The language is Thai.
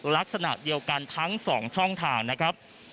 ลักษณะเดียวกันทั้ง๒ช่องทางนะครับ